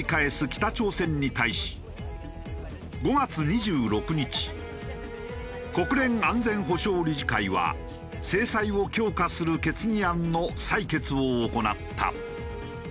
北朝鮮に対し５月２６日国連安全保障理事会は制裁を強化する決議案の採決を行った。